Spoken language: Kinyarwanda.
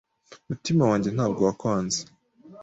Umutima wanjye ntabwo wakwanze